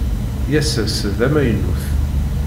Yas ass d amaynut.